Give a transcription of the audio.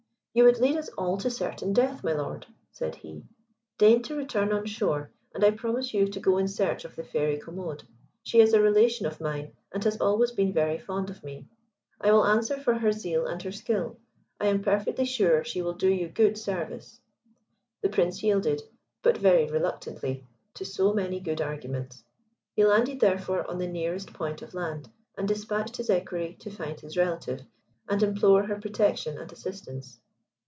"You would lead us all to certain death, my Lord," said he; "deign to return on shore, and I promise you to go in search of the Fairy Commode. She is a relation of mine, and has always been very fond of me. I will answer for her zeal and her skill. I am perfectly sure she will do you good service." The Prince yielded, but very reluctantly, to so many good arguments. He landed therefore on the nearest point of land, and despatched his Equerry to find his relative, and implore her protection and assistance.